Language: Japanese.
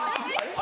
あ！